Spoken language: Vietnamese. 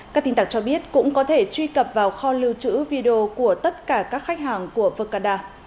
các tin tặc cho biết cũng có thể truy cập vào kho lưu trữ video của tất cả các khách hàng của vera